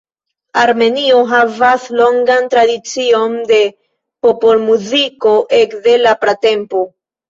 Armenio havas longan tradicion de popolmuziko ekde la pratempo.